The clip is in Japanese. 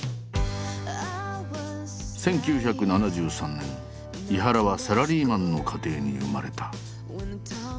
１９７３年井原はサラリーマンの家庭に生まれた。